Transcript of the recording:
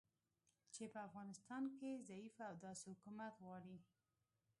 چې په افغانستان کې ضعیفه او داسې حکومت غواړي